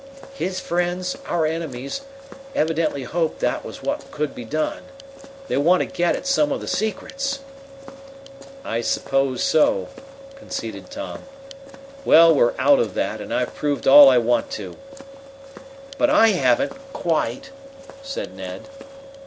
"His friends our enemies evidently hoped that was what could be done. They want to get at some of the secrets." "I suppose so," conceded Tom. "Well, we're out of that, and I've proved all I want to." "But I haven't quite," said Ned.